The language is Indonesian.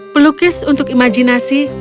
pelukis untuk imajinasi